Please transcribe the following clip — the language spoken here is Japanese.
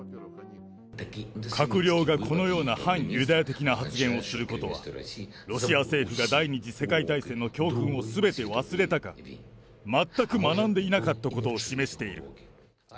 閣僚がこのような反ユダヤ的な発言をすることは、ロシア政府が第２次世界大戦の教訓をすべて忘れたか、全く学んでいなかったことを示している。